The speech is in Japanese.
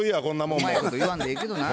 うまいこと言わんでええけどな。